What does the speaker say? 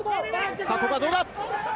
ここはどうだ？